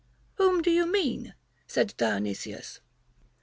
Whom do you mean, said Dionysius?